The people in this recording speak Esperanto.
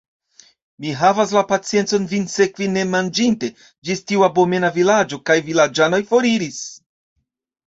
Mi havas la paciencon vin sekvi nemanĝinte, ĝis tiu abomena vilaĝo; kaj vilaĝanoj foriris!